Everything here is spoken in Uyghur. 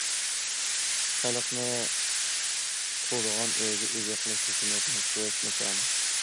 خەلقنى تۇرىدىغان ئۆيگە ئىگە قىلىش ھۆكۈمەتنىڭ كۈرەش نىشانى.